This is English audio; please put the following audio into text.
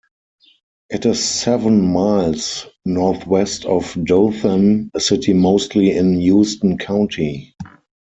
It is seven miles northwest of Dothan, a city mostly in Houston County.